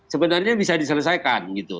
sebenarnya bisa diselesaikan gitu